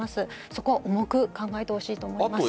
そこを重く考えてほしいと思います。